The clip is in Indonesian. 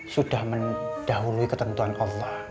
sudah mendahului ketentuan allah